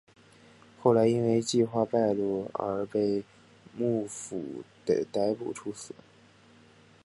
后来因为计划败露而被幕府逮捕处死。